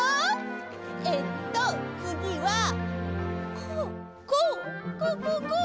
えっとつぎはこうこうこうこうこう。